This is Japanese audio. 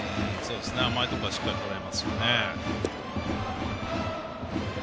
甘いところはしっかりとれますよね。